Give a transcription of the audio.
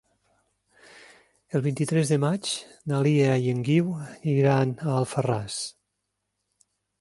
El vint-i-tres de maig na Lia i en Guiu iran a Alfarràs.